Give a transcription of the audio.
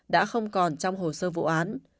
đã không còn trong hồ sơ vụ án